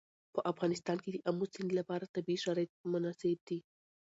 په افغانستان کې د آمو سیند لپاره طبیعي شرایط مناسب دي.